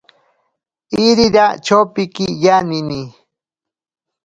Irira chopiki yanini.